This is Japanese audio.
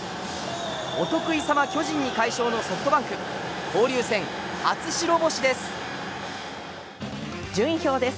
お得意様巨人に快勝のソフトバンク交流戦初白星です。